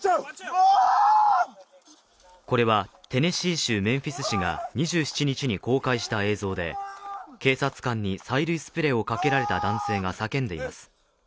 これはテネシー州メンフィス市が２７日に公開した映像で警察官に催涙スプレーをかけられた男性が叫んでいます。